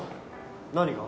何が？